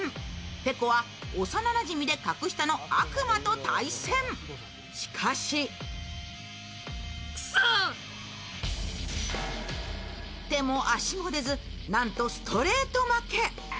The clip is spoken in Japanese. ペコは幼なじみで格下のアクマと対戦、しかし手も足も出ず、なんとストレート負け。